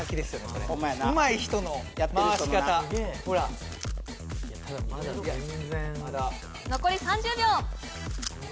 これうまい人の回し方ほら残り３０秒